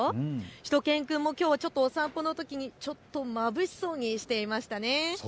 しゅと犬くんもきょうはお散歩のときにちょっとまぶしそうにしていましたね。